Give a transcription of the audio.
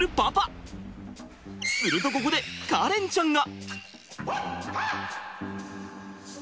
するとここで香蓮ちゃんが。